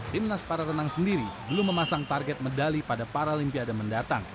timnas para renang sendiri belum memasang target medali pada paralimpiade mendatang